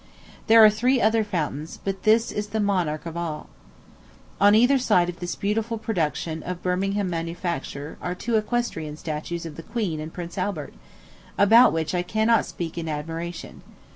There are three other fountains, but this is the monarch of all. On either side of this beautiful production of a Birmingham manufacturer are two equestrian statues of the queen and Prince Albert, about which I cannot speak in admiration.